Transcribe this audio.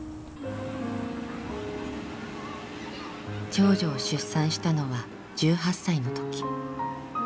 長女を出産したのは１８歳のとき。